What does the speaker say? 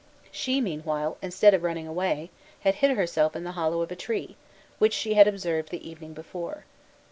She, meanwhile, instead of running away, had hid herself in the hollow of a tree, which she had observed the evening before.